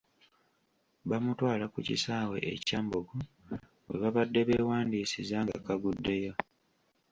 Bamutwala ku kisaawe e Kyambogo we babadde beewandiisiza ngakaguddeyo.